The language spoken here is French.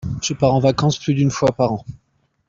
Je pars en vacances plus d'une fois par an.